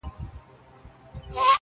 د يوه يې سل لكۍ وې يو يې سر وو،